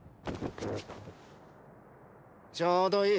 ちょうどいい。